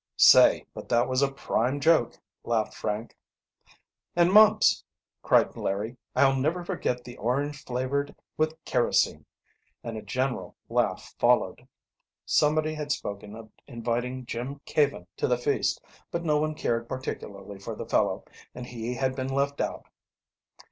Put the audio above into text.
"Say, but that was a prime joke," laughed Frank. "And Mumps!" cried Larry. "I'll never forget the orange flavored with kerosene," and a general laugh followed. Somebody had spoken of inviting Jim Caven to the feast, but no one cared particularly for the fellow, and he had been left out.